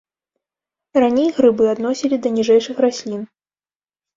Раней грыбы адносілі да ніжэйшых раслін.